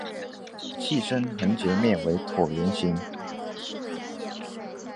器身横截面为椭圆形。